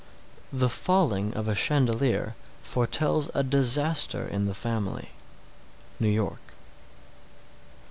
The falling of a chandelier foretells a disaster in the family. _New York.